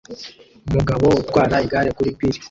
Umugabo utwara igare kuri pir